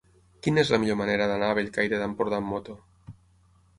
Quina és la millor manera d'anar a Bellcaire d'Empordà amb moto?